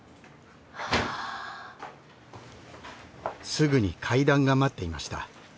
すぐに階段が待っていました。